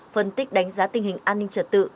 phân tích đánh giá tình hình an ninh trật tự